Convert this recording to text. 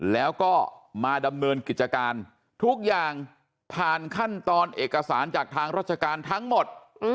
แล้วก็มาดำเนินกิจการทุกอย่างผ่านขั้นตอนเอกสารจากทางราชการทั้งหมด